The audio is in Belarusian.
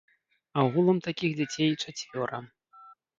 Агулам такіх дзяцей чацвёра.